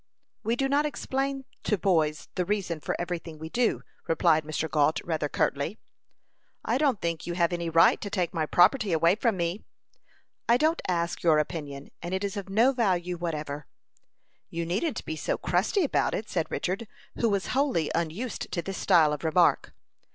"We do not explain to boys the reason for every thing we do," replied Mr. Gault, rather curtly. "I don't think you have any right to take my property away from me." "I don't ask your opinion, and it is of no value whatever." "You needn't be so crusty about it," said Richard, who was wholly unused to this style of remark.